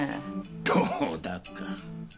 どうだか。